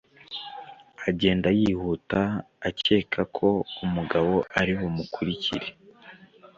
agenda yihuta, akeka ko umugabo ari bumukurikire